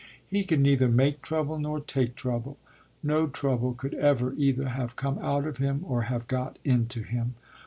He can neither make trouble nor take trouble; no trouble could ever either have come out of him or have got into him.